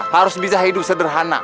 harus bisa hidup sederhana